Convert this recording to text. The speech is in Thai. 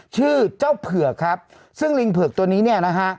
ชื่อเจ้าเผือกครับซึ่งลิงเผือกตัวนี้เนี่ยนะฮะ